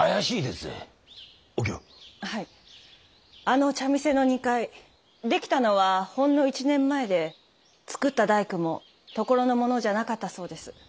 あの茶店の２階出来たのはほんの１年前で造った大工も所の者じゃなかったそうです。